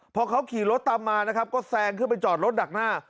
พอเขาขี่รถตามมานะครับก็แซงขึ้นไปจอดรถดักหน้า